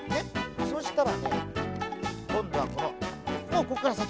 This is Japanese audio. そしたらねこんどはこのもうこっからさきはいらないからね。